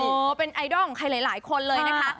โอ้โหเป็นไอดอลของใครหลายคนเลยนะคะ